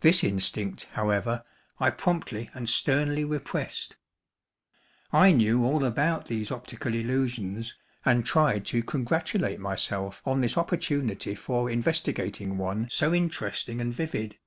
This instinct, however, I promptly and sternly repressed. I knew all about these optical illusions, and tried to congratulate myself on this opportunity for investigating one so interesting and vivid.